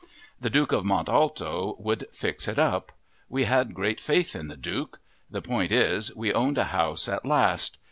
The Duke of Mont Alto would fix it up. We had great faith in the Duke. The point is, we owned a house at last.